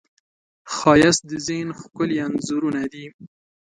ښایست د ذهن ښکلي انځورونه دي